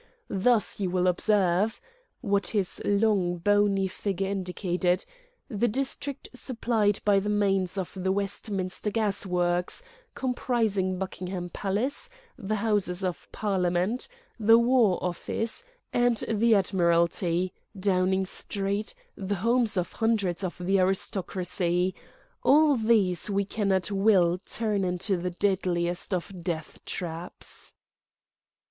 Thus you will observe"—what his long, bony finger indicated—"the district supplied by the mains of the Westminster gas works, comprising Buckingham Palace, the Houses of Parliament, the War Office, and the Admiralty, Downing Street, the homes of hundreds of the aristocracy. All these we can at will turn into the deadliest of death traps."